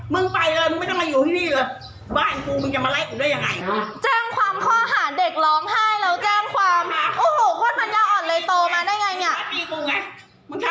มึงไปเลยมึงไม่ต้องมาอยู่ที่นี่เลย